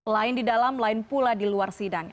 lain di dalam lain pula di luar sidang